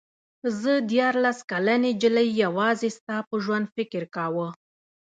زه دیارلس کلنې نجلۍ یوازې ستا په ژوند فکر کاوه.